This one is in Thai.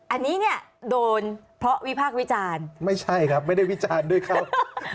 อันนี้เนี่ยโดนเพราะวิพากษ์วิจารณ์ไม่ใช่ครับไม่ได้วิจารณ์ด้วยเขา